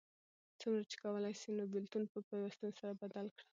څومره چی کولای سې نو بیلتون په پیوستون سره بدل کړه